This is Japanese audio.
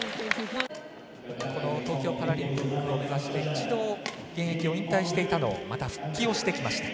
東京パラリンピックを目指して一度現役を引退していたのをまた復帰してきました。